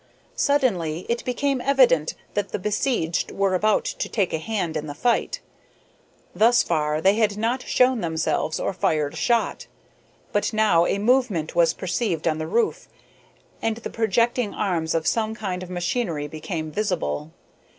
Suddenly it became evident that the besieged were about to take a hand in the fight. Thus far they had not shown themselves or fired a shot, but now a movement was perceived on the roof, and the projecting arms of some kind of machinery became visible.